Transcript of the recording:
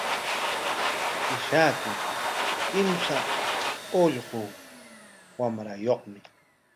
Ishaku kimsa ullqu wamrayuqmi.